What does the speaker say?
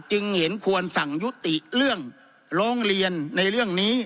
จึงเห็นควรสั่งยุติเรื่องร้องเรียนในเรื่องนี้